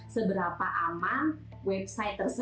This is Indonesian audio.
seberapa aman website ini adalah